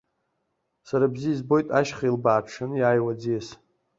Сара бзиа избоит, ашьха илбааҽҽаны иаауа аӡиас.